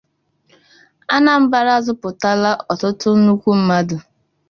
Anambra azụpụtala ọtụtụ nnukwu mmadụ